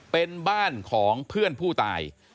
เป็นบ้านของเพื่อนผู้ตาย